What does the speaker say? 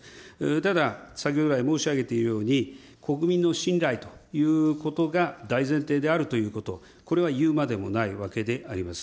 ただ、先ほど来申し上げているように、国民の信頼ということが大前提であるということ、これは言うまでもないわけであります。